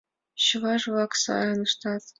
Чуваш-влак сайын ыштат.